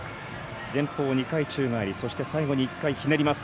前方２回宙返りそして最後に１回ひねります。